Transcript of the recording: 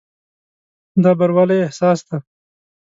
دا بروالي احساس دی.